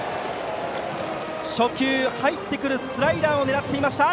初球、入ってくるスライダーを狙っていました。